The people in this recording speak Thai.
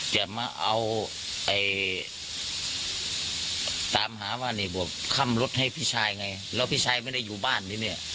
จะมาเอาตามหาว่านี่บวกค่ำรถให้พี่ชายไงแล้วพี่ชายไม่ได้อยู่บ้านที่นี่